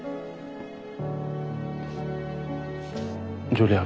ジュリア。